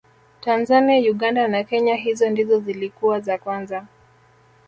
tanzania uganda na kenya hizo ndizo zilikuwa za kwanza